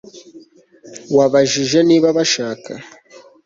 Wabajije niba bashaka